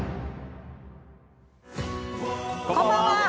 こんばんは。